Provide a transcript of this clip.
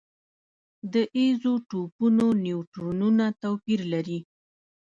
د ایزوټوپونو نیوټرونونه توپیر لري.